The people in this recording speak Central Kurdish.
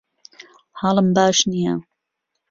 حاڵم باش نییە.